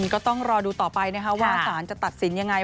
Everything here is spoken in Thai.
ก็ต้องรอดูต่อไปนะคะว่าสารจะตัดสินยังไง